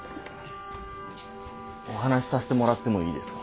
お話させてもらってもいいですか？